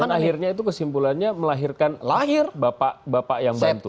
dan akhirnya itu kesimpulannya melahirkan bapak bapak yang bantu